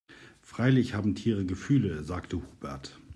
Freilich haben auch Tiere Gefühle, sagt Hubert.